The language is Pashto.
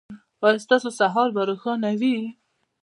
ایا ستاسو سهار به روښانه وي؟